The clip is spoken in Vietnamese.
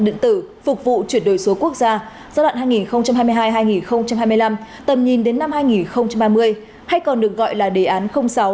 điện tử phục vụ chuyển đổi số quốc gia giai đoạn hai nghìn hai mươi hai hai nghìn hai mươi năm tầm nhìn đến năm hai nghìn ba mươi hay còn được gọi là đề án sáu